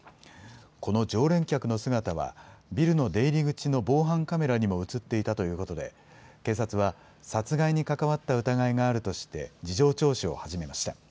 この常連客の姿は、ビルの出入り口の防犯カメラにも写っていたということで、警察は、殺害に関わった疑いがあるとして、事情聴取を始めました。